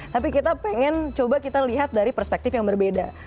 tapi kita pengen coba kita lihat dari perspektif yang berbeda